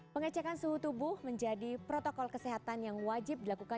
pengecekan suhu tubuh menjadi protokol kesehatan yang wajib dilakukan